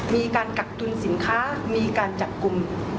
มีการกักตุลสินค้ามีการจัดกุม